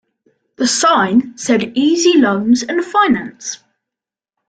The sign said E Z Loans and Finance.